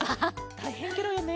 たいへんケロよね。